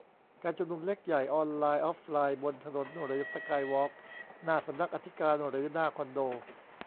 การชุมนุมเล็กใหญ่ ออนไลน์ ออฟไลน์ บนถนนหรือสกายวอล์ก หน้าสำนักอธิการหรือหน้าคอนโด